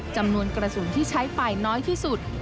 จำนวนกระสุนที่ใช้ไปน้อยที่สุด